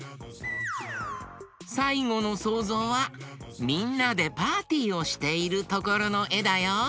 さいごのそうぞうはみんなでパーティーをしているところのえだよ。